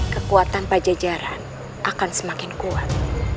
kekuatan pajajaran akan semakin kuat